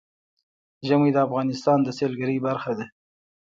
ژمی د افغانستان د سیلګرۍ برخه ده.